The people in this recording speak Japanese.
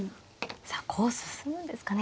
さあこう進むんですかね